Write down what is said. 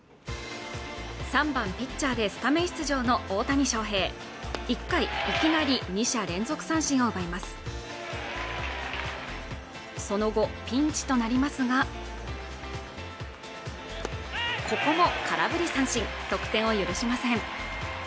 ３番ピッチャーでスタメン出場の大谷翔平１回いきなり２者連続三振を奪いますその後ピンチとなりますがここも空振り三振得点を許しません